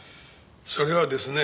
それはですね